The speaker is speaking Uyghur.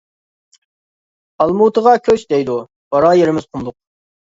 «ئالمۇتىغا كۆچ» دەيدۇ، بارار يېرىمىز قۇملۇق.